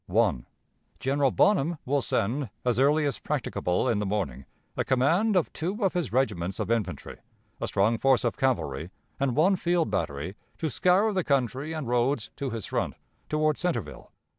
"I. General Bonham will send, as early as practicable in the morning, a command of two of his regiments of infantry, a strong force of cavalry, and one field battery, to scour the country and roads to his front, toward Centreville.